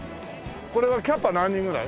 これはキャパ何人ぐらい？